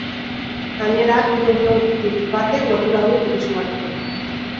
Gainera, hiru enplegutik batek lotura du turismoarekin.